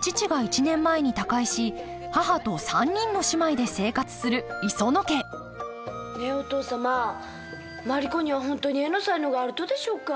父が１年前に他界し母と３人の姉妹で生活する磯野家ねえお父様マリ子には本当に絵の才能があるとでしょうか？